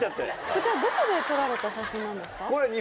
こちらどこで撮られた写真なんですか？